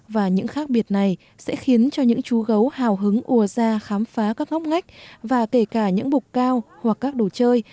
và những khác biệt này sẽ khiến cho những chú gấu hào hứng ùa ra khám phá các ngóc ngách và kể cả những bục cao hoặc các đồ chơi